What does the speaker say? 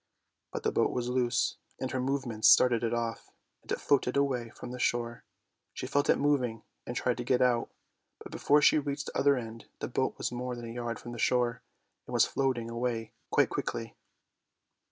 But the boat was loose, and her movements started it off, and it floated away from the shore : she felt it moving and tried to get out, but before she reached the other end the boat was more than a yard from the shore, and was floating away quite quickly.